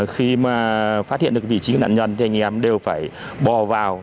khi mà phát hiện được vị trí của nạn nhân thì anh em đều phải bò vào